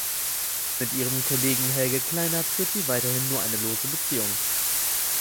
Mit ihrem Kollegen Helge Kleinert führt sie weiterhin nur eine lose Beziehung.